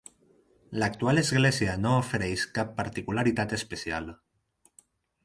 L'actual església no ofereix cap particularitat especial.